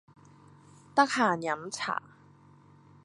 得閒飲茶